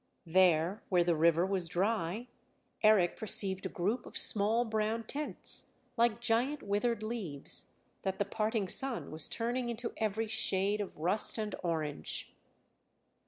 There, where the river was dry, Eric perceived a group of small brown tents, like giant withered leaves, that the parting sun was turning into every shade of rust and orange.